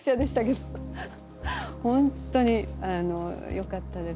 本当によかったです。